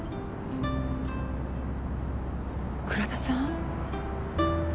倉田さん？